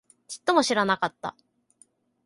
ちっとも知らなかった